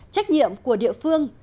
trách nhiệm của địa phương